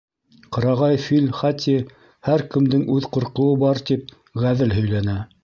— Ҡырағай фил Хати, «һәр кемдең үҙ ҡурҡыуы бар» тип, ғәҙел һөйләнә.